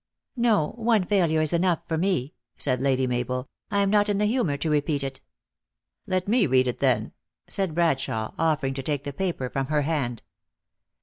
" No ; one failure is enough for me," said Lady Mabel. " I am not in the humor to repeat it." u Let me read it then," said Bradshawe, offering to take the paper from her hand.